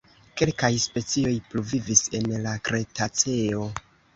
Kelkaj specioj pluvivis en la Kretaceo.